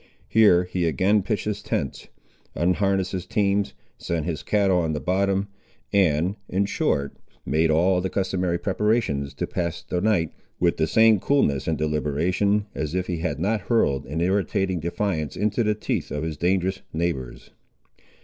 Here he again pitched his tents, unharnessed his teams, sent his cattle on the bottom, and, in short, made all the customary preparations to pass the night, with the same coolness and deliberation as if he had not hurled an irritating defiance into the teeth of his dangerous neighbours.